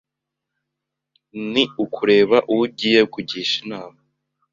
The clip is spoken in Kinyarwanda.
….ni ukureba uwo ugiye kugisha inama